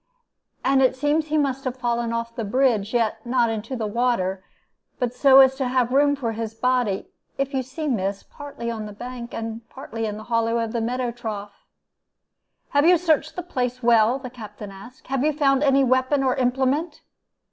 And it seemed that he must have fallen off the bridge, yet not into the water, but so as to have room for his body, if you see, miss, partly on the bank, and partly in the hollow of the meadow trough. "'Have you searched the place well?' the Captain asked. 'Have you found any weapon or implement?'